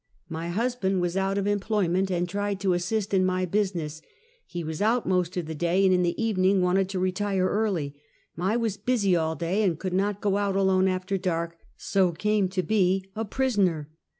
My husband was out of emplovment, and tried to assist in my business. He was out most of the day, and in the evening wanted to retire early. I was busy all day, and could not go out alone after dark, so came to be a prisoner.